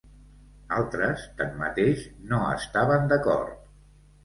Altres, tanmateix, no estaven d'acord.